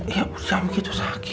iya udah udah mungkin tuh sakit